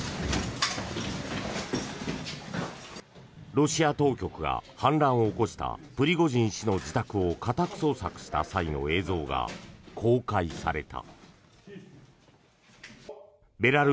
ロシア当局が反乱を起こしたプリゴジン氏の自宅を家宅捜索した際の映像が公開された。